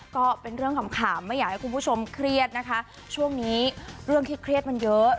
ก็เป็นเรื่องขำไม่อยากให้คุณผู้ชมเครียดนะคะช่วงนี้เรื่องที่เครียดมันเยอะ